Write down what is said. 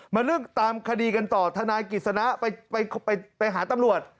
เรื่องตามคดีกันต่อทนายกิจสนะไปหาตำรวจ